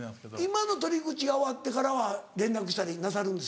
今の取り口が終わってからは連絡したりなさるんですか？